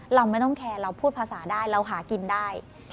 เราไม่ต้องแคร์เราพูดภาษาได้เราหากินได้